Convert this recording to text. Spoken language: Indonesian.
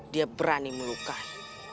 dia berani melukai